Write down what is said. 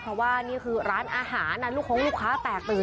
เพราะว่านี่คือร้านอาหารลูกคงลูกค้าแตกตื่น